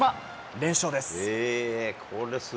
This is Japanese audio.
連勝です。